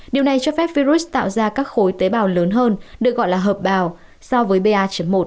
điều này cho phép virus tạo ra các khối tế bào lớn hơn được gọi là hợp bào so với ba một